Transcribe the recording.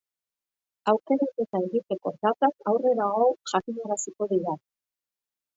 Aukeraketa egiteko datak aurrerago jakinaraziko dira.